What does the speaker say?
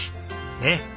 ねえ。